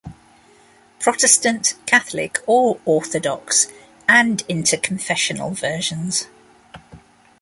Protestant, Catholic or Orthodox, and inter-confessional versions.